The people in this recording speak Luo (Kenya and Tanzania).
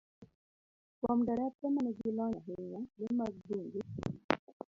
Kuom derepe ma nigi lony ahinya, le mag bungu